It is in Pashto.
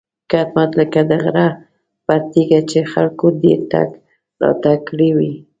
کټ مټ لکه د غره پر تیږه چې خلکو ډېر تګ راتګ کړی وي.